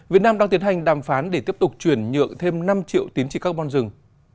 việt nam đang tiến hành đàm phán để tiếp tục chuyển nhượng thêm năm triệu tín trị carbon rừng